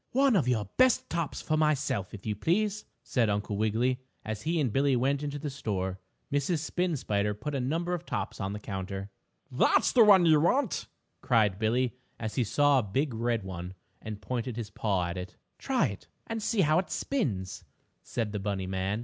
"One of your best tops for myself, if you please," said Uncle Wiggily, as he and Billie went into the toy store. Mrs. Spin Spider put a number of tops on the counter. "That's the kind you want!" cried Billie, as he saw a big red one, and pointed his paw at it. "Try it and see how it spins," said the bunny man.